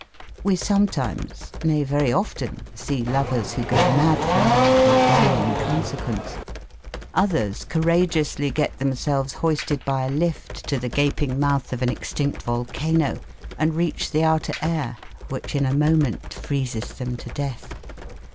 We sometimes, nay very often, see lovers who go mad from love and die in consequence. Others courageously get themselves hoisted by a lift to the gaping mouth of an extinct volcano and reach the outer air which in a moment freezes them to death.